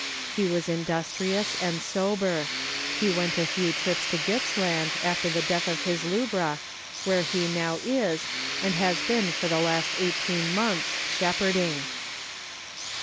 He was indus trious and sober. He went a few trips to Gippsland after the death of his lubra, where he now is, and has been for the last eighteen months, shepherding.